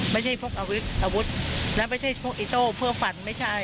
ไม่ใช่พวกอาวุธไว้และไม่ใช่พวกอิโต้เพื่อฟัน